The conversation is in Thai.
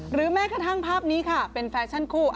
แม้กระทั่งภาพนี้ค่ะเป็นแฟชั่นคู่